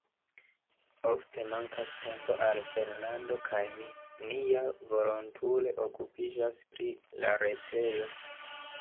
Ofte mankas tempo al Fernando kaj mi; ni ja volontule okupiĝas pri la retejo.